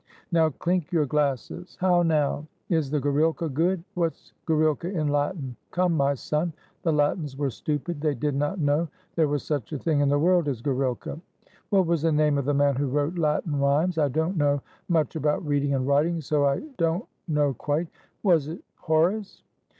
Now clink your glasses — how now? Is the gorilka good? What's go rilka in Latin? Come, my son, the Latins were stupid : they did not know there was such a thing in the world as gorilka. What was the name of the man who wrote Latin rhymes? I don't know much about reading and writing, so I don't know quite. Was it Horace?"